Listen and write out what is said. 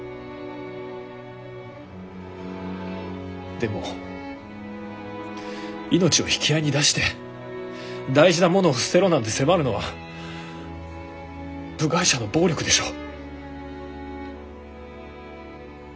でも命を引き合いに出して大事なものを捨てろなんて迫るのは部外者の暴力でしょう。